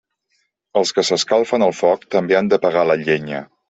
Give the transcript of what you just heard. Els que s'escalfen al foc també han de pagar la llenya.